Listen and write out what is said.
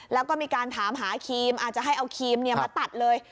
แล้วก็มีการถามหาครีมอาจจะให้เอาครีมมาตัดเลย